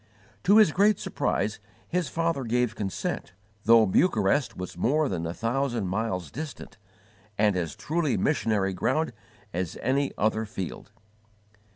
To his great surprise his father gave consent, though Bucharest was more than a thousand miles distant and as truly missionary ground as any other field.